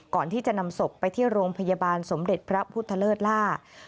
ก่อนที่จะนำศพไปที่โรงพยาบาลสมเด็จพระพุทธเลิศล่า